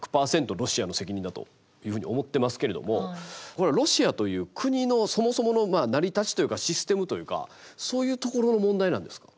ロシアの責任だというふうに思ってますけれどもこれはロシアという国のそもそもの成り立ちというかシステムというかそういうところの問題なんですか？